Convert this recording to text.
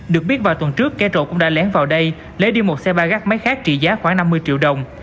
được biết vào tuần trước kẻ trộm cũng đã lén vào đây lấy đi một xe bagage máy khác trị giá khoảng năm mươi triệu đồng